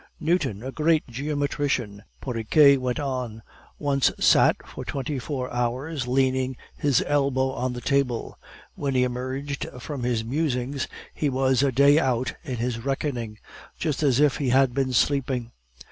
"Newton, a great geometrician," Porriquet went on, "once sat for twenty four hours leaning his elbow on the table; when he emerged from his musings, he was a day out in his reckoning, just as if he had been sleeping.